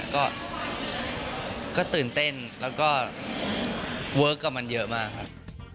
ก็ตื่นเต้นแล้วก็เวิร์คกับมันเยอะมากครับ